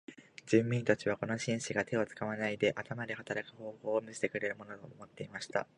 人民たちはこの紳士が手を使わないで頭で働く方法を見せてくれるものと思っていました。